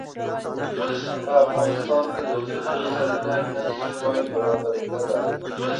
په افغانستان کې د اوسېدلو زمینه نه سوای برابرېدلای.